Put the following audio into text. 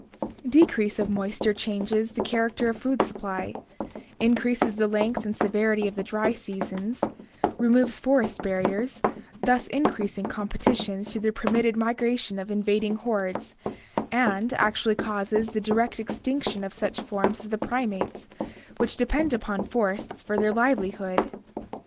Decrease of moisture changes the character of the food supply, increases the length and severity of the dry seasons, removes forest barriers, thus increasing competition through the permitted migra tion of invading hordes, and actually causes the direct extinction of such forms as the primates, which depend upon forests for their livelihood.